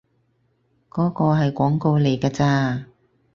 嗰個係廣告嚟㗎咋